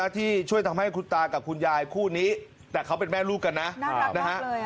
ที่ช่วยทำให้คุณตากับคุณยายคู่นี้แต่เขาเป็นแม่ลูกกันนะนะฮะ